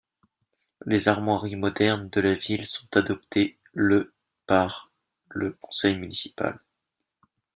Les armoiries modernes de la ville sont adoptées le par le conseil municipal.